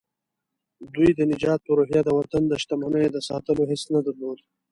دوی د نجات په روحيه د وطن د شتمنيو د ساتلو حس نه درلود.